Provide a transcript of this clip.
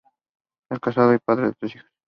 Es casado y padre de tres hijos.